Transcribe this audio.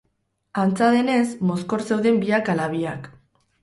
Antza denez, mozkor zeuden biak ala biak.